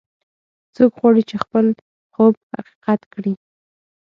څوک غواړي چې خپل خوب حقیقت کړي